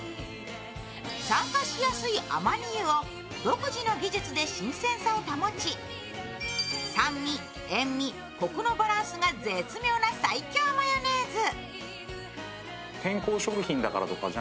酸化しやすいアマニ油を独自の技術で新鮮さを保ち酸味・塩味・コクのバランスが絶妙な最強マヨネーズ。